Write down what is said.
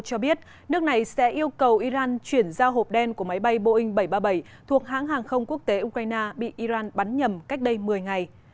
cho biết nước này sẽ yêu cầu iran chuyển giao hộp đen của máy bay boeing bảy trăm ba mươi bảy thuộc hãng hàng không quốc tế ukraine bị iran bắn nhầm cách đây một mươi ngày